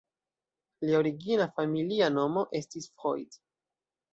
Lia origina familia nomo estis "Freud".